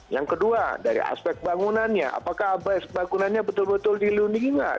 yang kedua dari aspek bangunannya apakah bangunannya betul betul dilindungi nggak